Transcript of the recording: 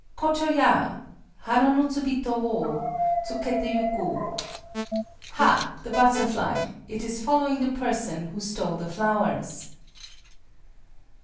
_] Chōchō ya! Hana nusubito wo Tsukété yuku! [_Ha! the butterfly!—it is following the person who stole the flowers!